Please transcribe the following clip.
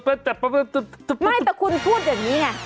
ไม่แต่คุณพูดอย่างนี้ไง